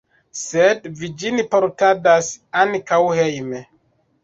Sed vi ĝin portadas ankaŭ hejme.